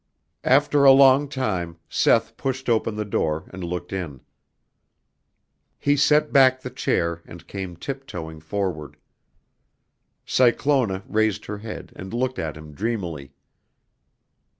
After a long time Seth pushed open the door and looked in. He set back the chair and came tip toeing forward. Cyclona raised her head and looked at him dreamily.